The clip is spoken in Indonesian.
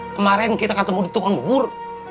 kemarin kita ketemu di tukang bubur